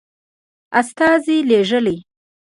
استازي لېږلي.